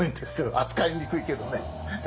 扱いにくいけどね。